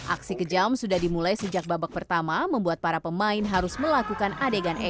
aksi kejam sudah dimulai sejak babak pertama membuat para pemain harus melakukan adegan